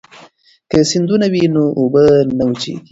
که سیندونه وي نو اوبه نه وچېږي.